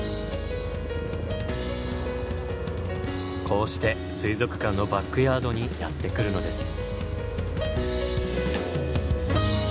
こうして水族館のバックヤードにやって来るのです。